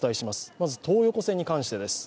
まず東横線に関してです。